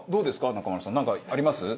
中丸さん。なんかあります？